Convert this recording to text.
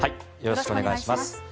よろしくお願いします。